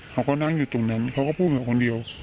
เขาก็นั่งอยู่ตรงนั้นเขาก็พูดกับคนเดียว